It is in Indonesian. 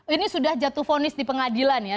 ini sudah jatuh fonis di pengadilan ya